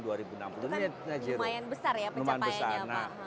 lumayan besar ya pencapaiannya